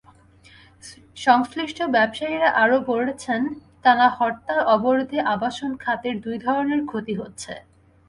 সংশ্লিষ্ট ব্যবসায়ীরা আরও বলছেন, টানা হরতাল-অবরোধে আবাসন খাতের দুই ধরনের ক্ষতি হচ্ছে।